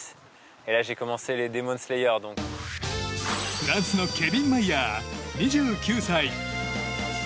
フランスのケビン・マイヤー、２９歳。